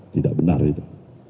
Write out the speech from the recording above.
tidak benar itu